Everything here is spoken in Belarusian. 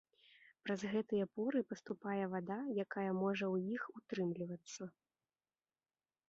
Праз гэтыя поры паступае вада, якая можа ў іх утрымлівацца.